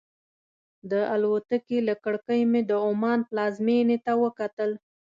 د الوتکې له کړکۍ مې د عمان پلازمېنې ته وکتل.